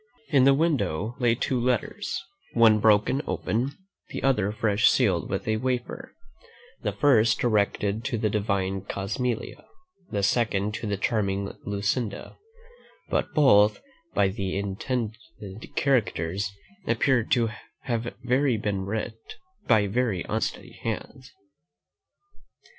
In the window lay two letters; one broken open, the other fresh sealed with a wafer; the first directed to the divine Cosmelia, the second to the charming Lucinda; but both, by the indented characters, appeared to have been writ by very unsteady hands.